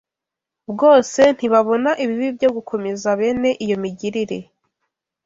bwose ntibabona ibibi byo gukomeza bene iyo migirire